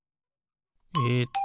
えっと